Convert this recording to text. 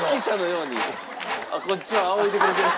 こっちはあおいでくれてる。